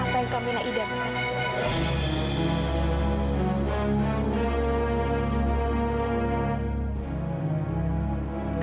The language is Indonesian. apa yang kamila idamkan